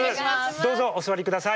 どうぞお座りください。